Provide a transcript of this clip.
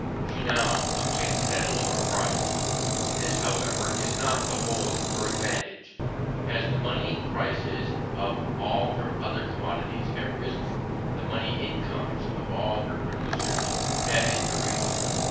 She now obtains it at a lower price. This, however, is not the whole of her advantage. As the money prices of all her other commodities have risen, the money incomes of all her producers have increased.